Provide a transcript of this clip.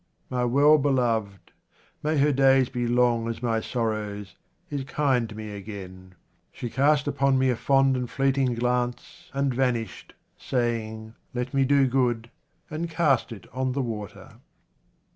My well beloved — may her days be long as my sorrows !— is kind to me again. She cast upon me a fond and fleeting glance, and vanished, saying, " Let me do good and cast it on the water."